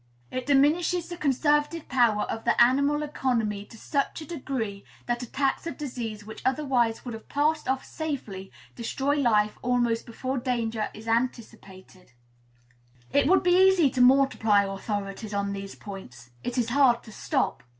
_It diminishes the conservative power of the animal economy to such a degree that attacks of disease which otherwise would have passed off safely destroy life almost before danger is anticipated_." It would be easy to multiply authorities on these points. It is hard to stop.